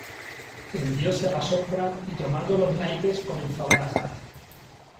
tendióse a la sombra , y tomando los naipes comenzó a barajar .